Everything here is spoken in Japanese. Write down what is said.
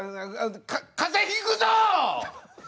風邪引くぞ！